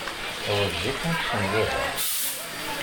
Ɣezzif anect n baba.